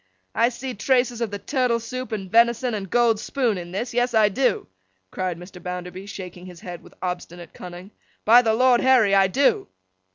I see traces of the turtle soup, and venison, and gold spoon in this. Yes, I do!' cried Mr. Bounderby, shaking his head with obstinate cunning. 'By the Lord Harry, I do!